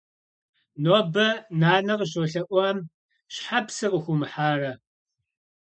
Нобэ нанэ къыщолъэӀуам щхьэ псы къыхуумыхьарэ?